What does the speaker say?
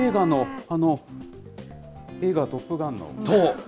映画、トップガンの。